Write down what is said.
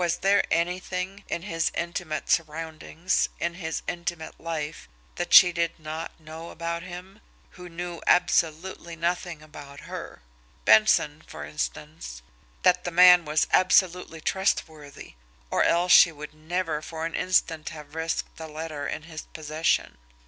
Was there anything, in his intimate surroundings, in his intimate life, that she did not know about him who knew absolutely nothing about her! Benson, for instance that the man was absolutely trustworthy or else she would never for an instant have risked the letter in his possession.